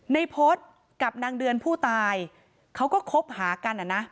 พฤษกับนางเดือนผู้ตายเขาก็คบหากันอ่ะนะ